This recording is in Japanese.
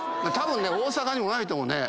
大阪にもないと思うね。